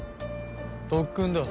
特訓だ。